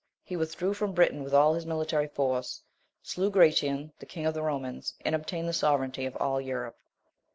He withdrew from Britain with all his military force, slew Gratian, the king of the Romans, and obtained the sovereignty of all Europe.